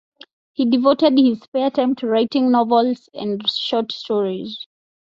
He devoted his spare time to writing novels and short stories.